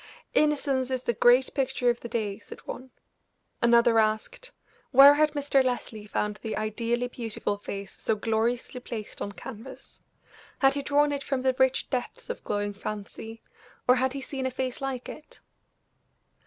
"'Innocence' is the great picture of the day," said one. Another asked: "Where had Mr. Leslie found the ideally beautiful face so gloriously placed on canvas? Had he drawn it from the rich depths of glowing fancy, or had he seen a face like it?"